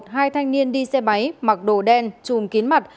hai thanh niên đi xe máy mặc đồ đen chùm kín mặt